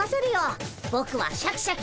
フフシャキシャキ！